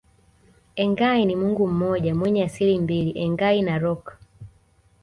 Engai ni Mungu mmoja mwenye asili mbili Engai Narok